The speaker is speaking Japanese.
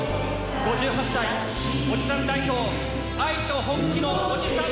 ５８歳、おじさん代表、愛と本気のおじさん